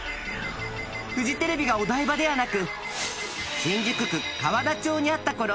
［フジテレビがお台場ではなく新宿区河田町にあったころ